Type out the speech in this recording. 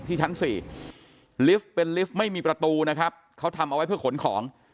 ชั้น๔ลิฟต์เป็นลิฟต์ไม่มีประตูนะครับเขาทำเอาไว้เพื่อขนของ